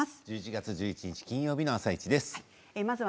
１１月１１日のあさイチです。